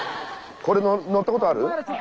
これ乗ったことある？